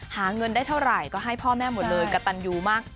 หาเงินได้เท่าไหร่ก็ให้พ่อแม่หมดเลยกระตันยูมาก